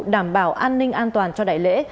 đảm bảo an ninh an toàn cho đại lễ